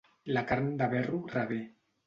La carn de verro revé.